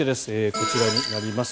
こちらになります。